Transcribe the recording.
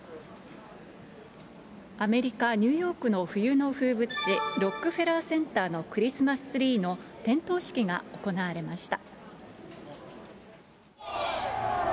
アメリカ・ニューヨークの冬の風物詩、ロックフェラーセンターのクリスマスツリーの点灯式が行われました。